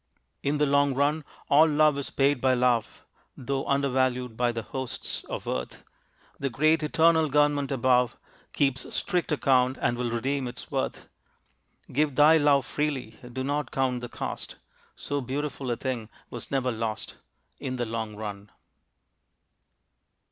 In the long run all love is paid by love, Though undervalued by the hosts of earth; The great eternal Government above Keeps strict account and will redeem its worth. Give thy love freely; do not count the cost; So beautiful a thing was never lost In the long run.